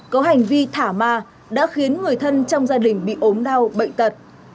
có hành vi thả ma đã khiến người thân trong gia đình bị ốm đau bệnh tật